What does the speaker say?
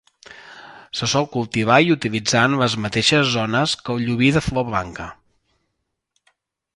Se sol cultivar i utilitzar en les mateixes zones que el llobí de flor blanca.